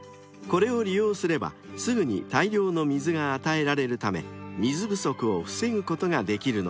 これを利用すればすぐに大量の水が与えられるため水不足を防ぐことができるのです］